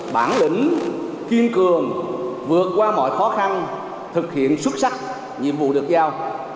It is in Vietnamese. bản lĩnh kiên cường vượt qua mọi khó khăn thực hiện xuất sắc nhiệm vụ được giao